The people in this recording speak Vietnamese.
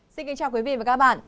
xin kính chào quý vị và các bạn